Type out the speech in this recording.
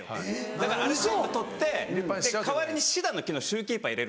だからあれ全部取って代わりにシダの木のシューキーパー入れるんです。